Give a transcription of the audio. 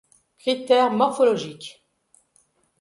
Critère morphologique.